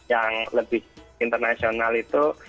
yang lebih internasional itu